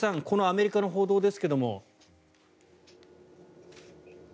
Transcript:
このアメリカの報道ですが。